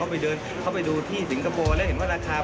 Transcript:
แล้วรุ่นนี้เป็นรุ่นที่เป็นกระท้รุ่นเล็กรุ่นประหยัด